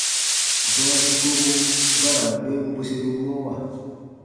Gɔɔ sikobu ba ra n ben bweseru mɔwa.